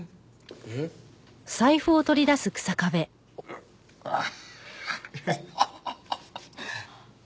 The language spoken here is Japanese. えっ？あっ！